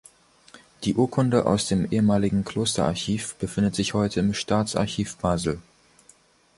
Die Urkunden aus dem ehemaligen Klosterarchiv befinden sich heute im Staatsarchiv Basel.